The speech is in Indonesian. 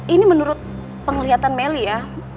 ini menurut penglihatan melly ya